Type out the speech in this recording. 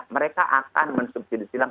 mereka akan mensubsidi silang